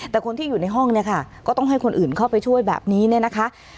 แต่คนที่อยู่ในห้องเนี่ยค่ะก็ต้องให้คนอื่นเข้าไปช่วยแบบนี้เนี่ยนะคะ